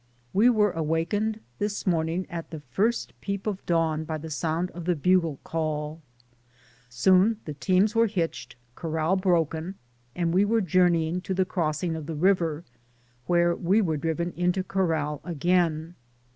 We were awakened this morning at the first peep of dawn by the sound of the bugle call. Soon the teams were hitched, corral broken, and we were journeying to the cross ing of the river, where we were driven into corral again.